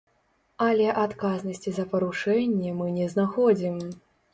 Але адказнасці за парушэнне мы не знаходзім.